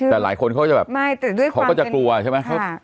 แต่หลายคนเขาก็จะแบบเขาก็จะกลัวใช่ไหม